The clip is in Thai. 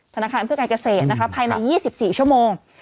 ธนาคารเพื่อการเกษตรภายใน๒๔ชั่วโมง